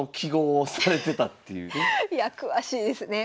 いや詳しいですね。